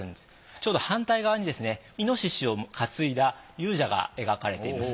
ちょうど反対側にイノシシを担いだ勇者が描かれています。